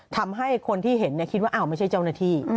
ทำให้คนที่เห็นคิดว่าอ้าวไม่ใช่เจ้าหน้าที่